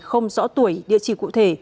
không rõ tuổi địa chỉ cụ thể